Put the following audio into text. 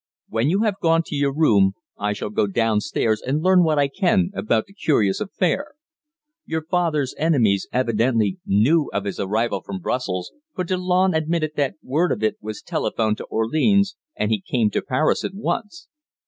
"When you have gone to your room, I shall go downstairs and learn what I can about the curious affair. Your father's enemies evidently knew of his arrival from Brussels, for Delanne admitted that word of it was telephoned to Orleans, and he came to Paris at once."